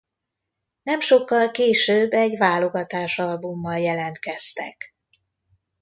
Nem sokkal később egy válogatásalbummal jelentkeztek.